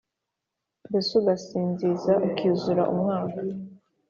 mbese ugasingiza ukiuzura umwuka